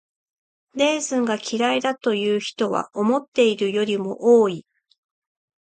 レーズンが嫌いだという人は思っているよりも多い。